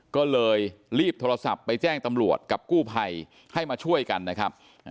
ก็เลยรีบโทรศัพท์ไปแจ้งตำรวจกับกู้ภัยให้มาช่วยกันนะครับ